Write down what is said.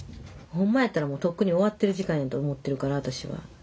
ほんまやったらもうとっくに終わってる時間やと思ってるから私は。